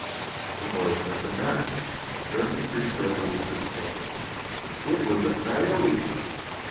The boy struck a match and turned the creature over with his foot. It was a coyote!